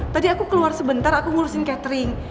tadi aku keluar sebentar aku ngurusin catering